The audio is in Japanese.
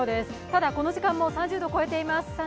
ただこの時間も３０度を超えています。